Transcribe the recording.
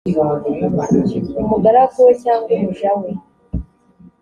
umugaragu we cyangwa umuja we